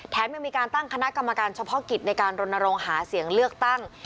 ยังมีการตั้งคณะกรรมการเฉพาะกิจในการรณรงค์หาเสียงเลือกตั้ง